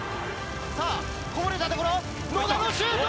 さあこぼれたところ野田のシュート！